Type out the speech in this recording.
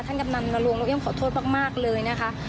ท่านกำนันนรงค์นกเอียงขอโทษมากเลยนะคะ